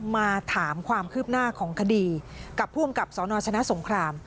มาถามความคืบหน้าของคดีกับผู้อำกับสนชนะสงคราม